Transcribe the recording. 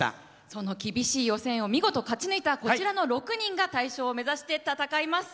その厳しい予選を見事勝ち抜いたこちらの６人が大賞を目指して戦います。